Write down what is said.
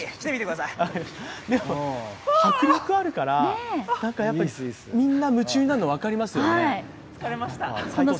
でも、迫力あるからみんな夢中になるの分かりますよね。